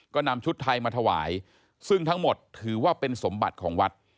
ก็นำชุดไทยมาถวายซึ่งทั้งหมดถือว่าเป็นสมบัติของวัด